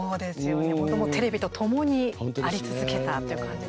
テレビとともにあり続けたという感じですね。